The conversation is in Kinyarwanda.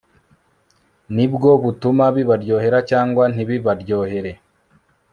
ni bwo butuma bibaryohera cyangwa ntibibaryohere